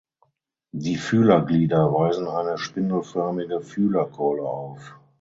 Die Fühlerglieder weisen eine spindelförmige Fühlerkeule auf.